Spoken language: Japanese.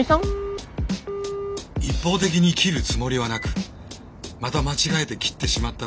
一方的に切るつもりはなくまた間違えて切ってしまっただけで困惑中。